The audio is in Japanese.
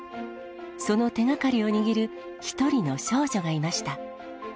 その手がかりを握る一人の少女がいました